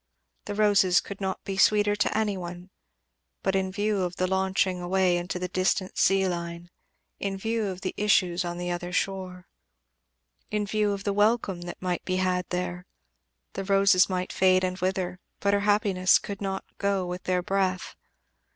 The roses could not be sweeter to any one; but in view of the launching away into that distant sea line, in view of the issues on the other shore, in view of the welcome that might be had there, the roses might fade and wither, but her happiness could not go with their breath.